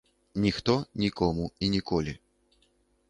Ніхто, нікому і ніколі.